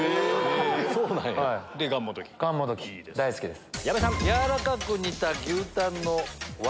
がんもどき大好きです。